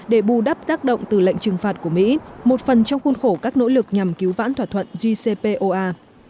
để bù đắp tác động từ lệnh trừng phạt của mỹ một phần trong khuôn khổ các nỗ lực nhằm cứu vãn thỏa thuận jcpoa